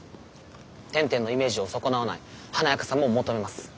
天・天のイメージを損なわない華やかさも求めます。